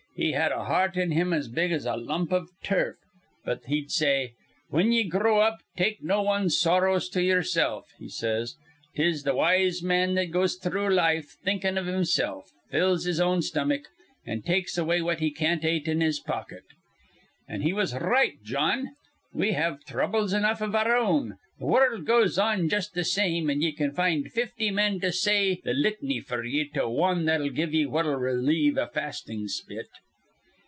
He had a heart in him as big as a lump iv turf, but he'd say, 'Whin ye grow up, take no wan's sorrows to ye'ersilf,' he says. ''Tis th' wise man that goes through life thinkin' iv himsilf, fills his own stomach, an' takes away what he can't ate in his pocket.' An' he was r right, Jawn. We have throubles enough iv our own. Th' wurruld goes on just th' same, an' ye can find fifty men to say th' lit'ny f'r ye to wan that'll give ye what'll relieve a fastin' spit.